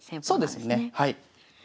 そうですねはい。